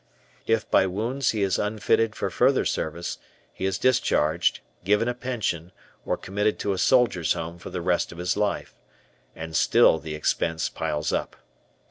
If by wounds he is unfitted for further service, he is discharged, given a pension, or committed to a Soldiers' Home for the rest of his life, and still the expense piles up.